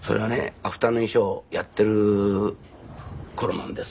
『アフタヌーンショー』をやっている頃なんです。